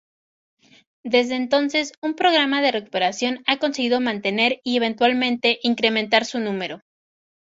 Desde entonces un programa de recuperación ha conseguido mantener y eventualmente incrementar su número.